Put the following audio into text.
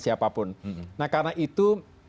siapapun nah karena itu